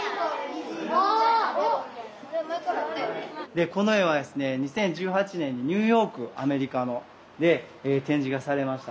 でこの絵はですね２０１８年にニューヨークアメリカの。で展示がされました。